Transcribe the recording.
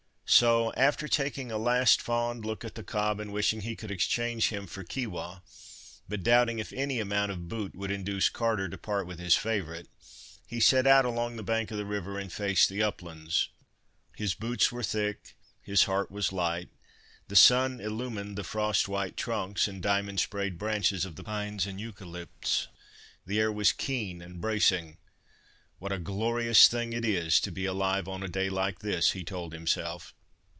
So, after taking a last fond look at the cob, and wishing he could exchange him for Keewah, but doubting if any amount of boot would induce Carter to part with his favourite, he set out along the bank of the river and faced the uplands. His boots were thick, his heart was light—the sun illumined the frost white trunks, and diamond sprayed branches of the pines and eucalypts—the air was keen and bracing. "What a glorious thing it is to be alive on a day like this," he told himself.